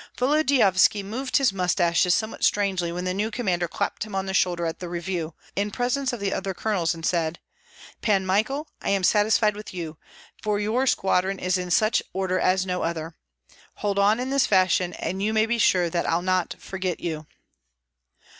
Volodyovski alone moved his mustaches somewhat strangely when the new commander clapped him on the shoulder at the review, in presence of the other colonels, and said, "Pan Michael, I am satisfied with you, for your squadron is in such order as no other. Hold on in this fashion, and you may be sure that I'll not forget you."